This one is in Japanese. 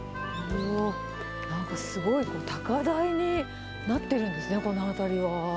なんかすごい高台になってるんですね、この辺りは。